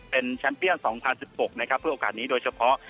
เป็นแชมป์เบี้ยนสองพันสิบหกนะครับเพื่อโอกาสนี้โดยเฉพาะ